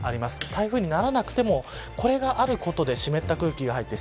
台風にならなくてもこれがあることで湿った空気が入って